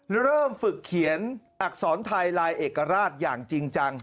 เริ่มฝึกเขียนอักษรไทยลายเอกราชอย่างจริงจัง